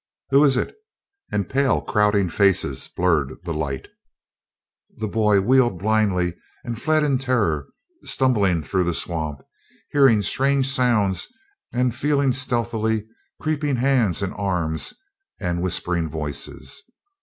"Who is it?" and pale crowding faces blurred the light. The boy wheeled blindly and fled in terror stumbling through the swamp, hearing strange sounds and feeling stealthy creeping hands and arms and whispering voices.